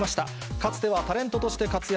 かつてはタレントとして活躍。